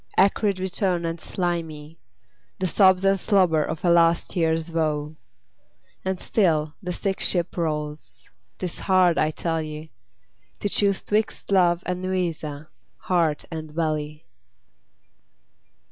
Acrid return and slimy, The sobs and slobber of a last years woe. And still the sick ship rolls. 'Tis hard, I tell ye, To choose 'twixt love and nausea, heart and belly.